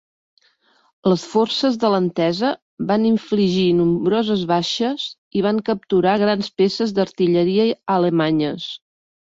Les forces de l'Entesa van infligir nombroses baixes i van capturar grans peces d'artilleria alemanyes.